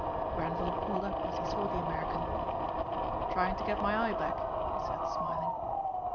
Grenvil pulled up as he saw the American. "Trying to get my eye back," he said smiling.